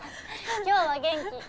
今日は元気。